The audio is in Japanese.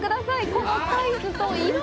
このサイズと色！